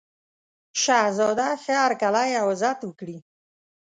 شهزاده ښه هرکلی او عزت وکړي.